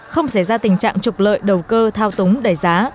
không xảy ra tình trạng trục lợi đầu cơ thao túng đẩy giá